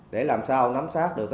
để làm sao nắm sát được